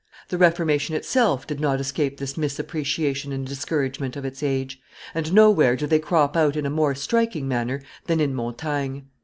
The Reformation itself did not escape this misappreciation and discouragement of its age; and nowhere do they crop out in a more striking manner than in Montaigne.